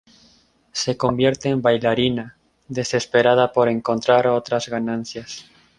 Se convierte en bailarina, desesperada por encontrar otras ganancias.